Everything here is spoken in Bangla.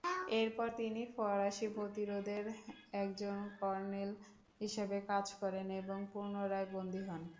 এরপর তিনি ফরাসি প্রতিরোধের একজন কর্নেল হিসেবে কাজ করেন এবং পুনরায় বন্দী হন।